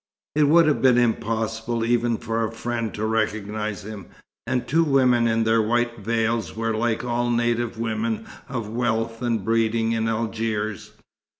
It would have been impossible even for a friend to recognize him, and the two women in their white veils were like all native women of wealth and breeding in Algiers.